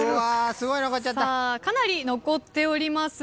かなり残っております。